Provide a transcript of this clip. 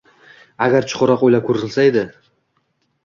Agar chuqurroq o’ylab ko’rilsa edi.